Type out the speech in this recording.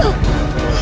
dia hampir muncul